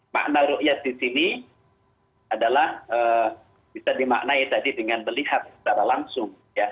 makna ru'yah di sini adalah bisa dimaknai tadi dengan melihat secara langsung